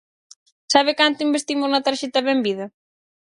¿Sabe canto investimos na Tarxeta Benvida?